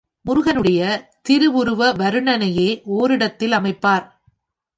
முருகனுடைய திருவுருவ வருணனையை ஓரிடத்தில் அமைப்பார்.